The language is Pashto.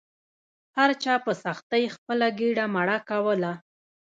هر چا په سختۍ خپله ګیډه مړه کوله.